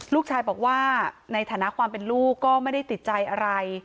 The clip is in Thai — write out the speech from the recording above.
ลูกชายบอกว่าในฐานะความเป็นลูกก็ไม่ได้ติดใจอะไร